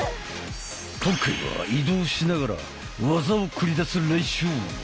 今回は移動しながら技を繰り出す練習！